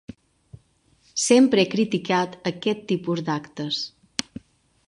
Sempre he criticat aquest tipus d'actes.